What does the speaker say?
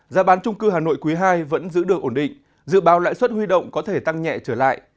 giá bán trung cư hà nội quý ii vẫn giữ được ổn định dự báo lãi suất huy động có thể tăng nhẹ trở lại